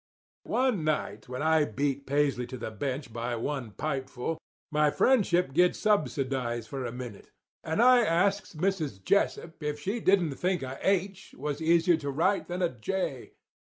"One night when I beat Paisley to the bench by one pipeful, my friendship gets subsidised for a minute, and I asks Mrs. Jessup if she didn't think a 'H' was easier to write than a 'J.